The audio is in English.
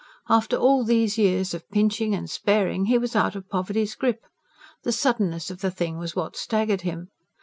After all these years of pinching and sparing he was out of poverty's grip. The suddenness of the thing was what staggered him.